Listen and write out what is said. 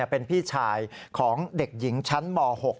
เป็นพี่ชายของเด็กหญิงชั้นม๖